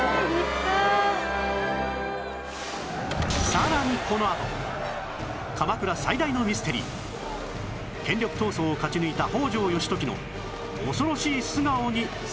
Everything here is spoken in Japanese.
さらにこのあと鎌倉最大のミステリー権力闘争を勝ち抜いた北条義時の恐ろしい素顔に迫ります！